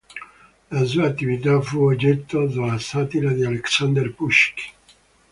La sua attività fu oggetto della satira di Alexander Pushkin.